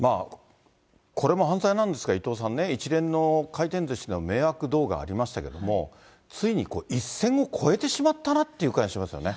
これも犯罪なんですが、伊藤さん、一連の回転ずしの迷惑動画ありましたけれども、ついに一線を越えてしまったなという感じがしますよね。